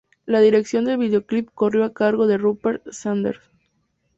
La dirección del videoclip corrió a cargo de Rupert Sanders.